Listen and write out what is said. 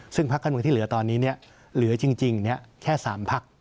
ซึ่งพักการเมืองที่เหลือตอนนี้เหลือจริงแค่๓พัก